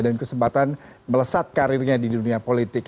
dan kesempatan melesat karirnya di dunia politik